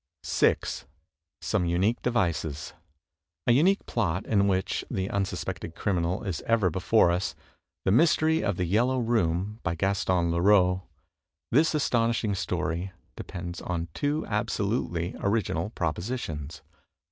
30I 6. Some Unique Devices A unique plot in which the unsuspected criminal is ever before us is "The Mystery of the Yellow Room," by Gaston Leroux. This astonishing story depends on two absolutely original propositions.